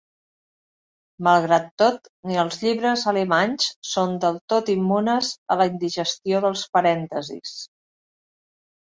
Malgrat tot, ni els llibres alemanys són del tot immunes a la indigestió dels parèntesis.